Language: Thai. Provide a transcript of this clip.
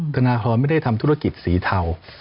ธนทรไม่ได้ทำธุรกิจสีเทา